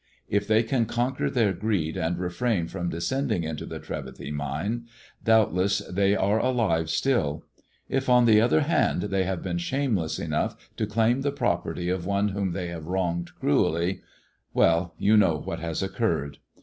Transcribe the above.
If they can conquer their greed and refrain from descending into the Trevethy Mine, doubtless they are alive still; if, on the other hand, they have been shameless enough to claim the property of one whom they have wronged cruelly — well, you know what has occurred.